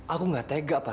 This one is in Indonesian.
aku gak tega pa